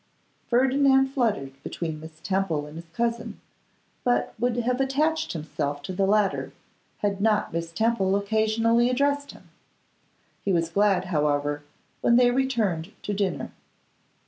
Ferdinand fluttered between Miss Temple and his cousin; but would have attached himself to the latter, had not Miss Temple occasionally addressed him. He was glad, however, when they returned to dinner.